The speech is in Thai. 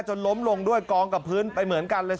ล้มลงด้วยกองกับพื้นไปเหมือนกันเลย